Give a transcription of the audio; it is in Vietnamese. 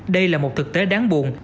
đây là một thực tế đáng buồn